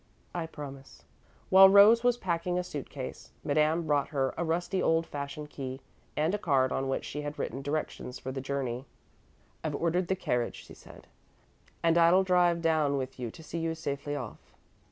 "I promise." While Rose was packing a suit case, Madame brought her a rusty, old fashioned key, and a card on which she had written directions for the journey. "I've ordered the carriage," she said, "and I'll drive down with you to see you safely off."